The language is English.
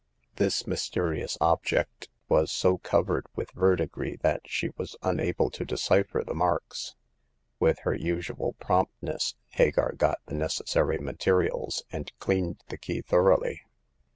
This mysterious object was so covered with verdigris that she was unable to decipher the marks. With her usual promptness, Hagar got the necessary materials, and cleaned the key thoroughly.